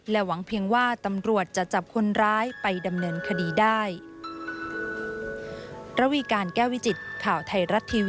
หวังเพียงว่าตำรวจจะจับคนร้ายไปดำเนินคดีได้